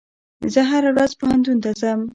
زه هره ورځ پوهنتون ته ځم.